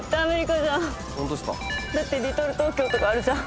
だってリトル・トーキョーとかあるじゃん。